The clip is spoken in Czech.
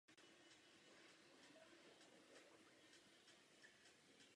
Hned po příjezdu do Mexika se Rivera zapojil do kulturního a společenského života.